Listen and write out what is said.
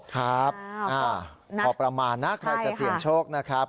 ครับพอประมาณนะใครจะเสี่ยงโชคนะครับ